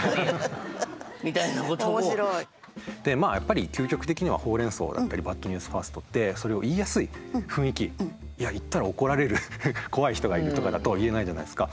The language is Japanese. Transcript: まあやっぱり究極的にはホウ・レン・ソウだったりバッドニュースファーストってそれを言ったら怒られる怖い人がいるとかだと言えないじゃないですか。